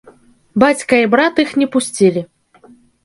Бацька і брат іх не пусцілі.